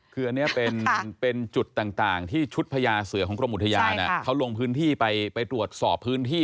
คืออันนี้เป็นจุดต่างที่ชุดพญาเสือของกรมอุทยานเขาลงพื้นที่ไปตรวจสอบพื้นที่